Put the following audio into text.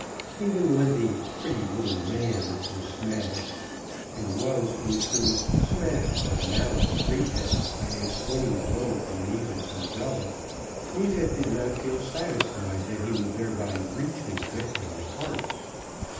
Even when the "pretty little man" was smashed, and was, in truth, smashed of malice prepense by a swinging blow from Neefit's umbrella, Neefit did not feel satisfied that he would thereby reach his victim's heart.